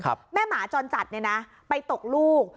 แม่หมาจรจัดเนี่ยนะไปตกลูก